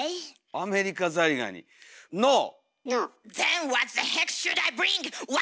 アメリカザリガニノー！